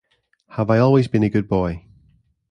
Have I always been a good boy?